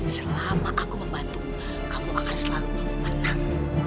selama aku membantumu kamu akan selalu menang